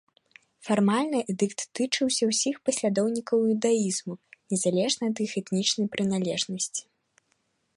Фармальна эдыкт тычыўся ўсіх паслядоўнікаў іўдаізму, незалежна ад іх этнічнай прыналежнасці.